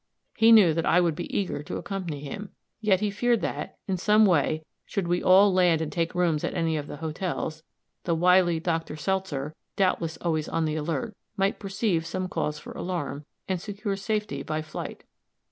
He knew that I would be eager to accompany him; yet he feared that, in some way, should we all land and take rooms at any of the hotels, the wily Doctor Seltzer, doubtless always on the alert, might perceive some cause for alarm, and secure safety by flight.